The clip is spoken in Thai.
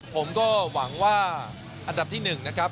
ผมก็หวังว่าอันดับที่๑นะครับ